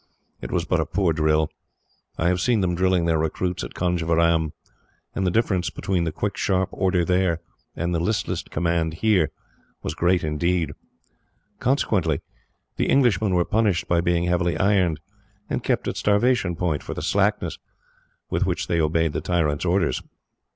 It was but a poor drill. I have seen them drilling their recruits at Conjeveram, and the difference between the quick sharp order there, and the listless command here, was great indeed. Consequently, the Englishmen were punished by being heavily ironed, and kept at starvation point for the slackness with which they obeyed the tyrant's orders.